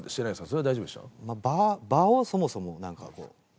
それは大丈夫でした？